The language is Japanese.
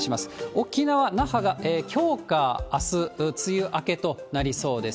沖縄・那覇がきょうかあす、梅雨明けとなりそうです。